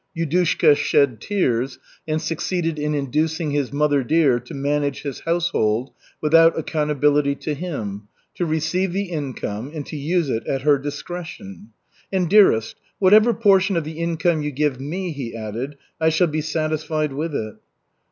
Yudushka shed tears and succeeded in inducing his mother dear to manage his household without accountability to him, to receive the income and to use it at her discretion. "And, dearest, whatever portion of the income you give me," he added, "I shall be satisfied with it."